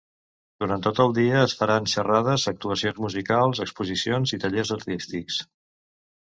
Durant tot el dia es faran xerrades, actuacions musicals, exposicions i tallers artístics.